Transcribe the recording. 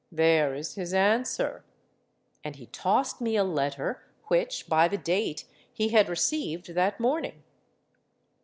There is his answer:'—and he tossed me a letter which, by the date, he had received that morning.